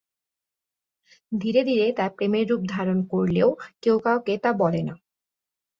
ধীরে ধীরে তা প্রেমের রূপ ধারণ করলেও কেউ কাউকে তা বলে না।